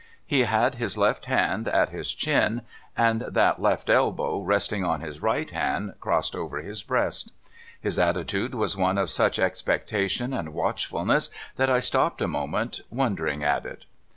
He had his left hand at his chin, and that left elbow rested on his right hand, crossed over his breast. His attitude was one of such expectation and watchfulness tliat I stopped a moment, wondering at it.